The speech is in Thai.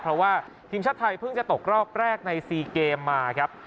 เพราะว่าทีมชาติไทยเพิ่งจะตกรอบแรกใน๔เกมมาครับ